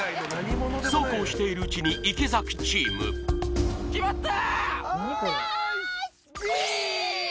そうこうしているうちに池崎チームやった！